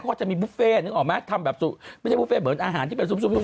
เขาจะมีบุฟเฟ่นึกออกไหมทำแบบไม่ใช่บุฟเฟ่เหมือนอาหารที่เป็นซุป